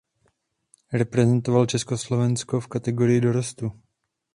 Reprezentoval Československo v kategorii dorostu.